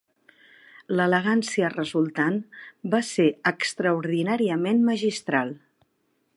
L'elegància resultant va ser extraordinàriament magistral.